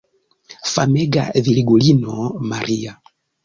Famega Virgulino Maria!